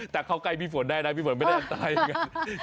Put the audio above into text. แต่เขาใกล้พี่ฝนได้นะพี่ฝนไม่ได้อันตรายเลย